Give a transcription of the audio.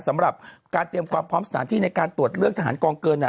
สำหรับการเตรียมความพร้อมสถานที่ในการตรวจเลือกทหารกองเกิน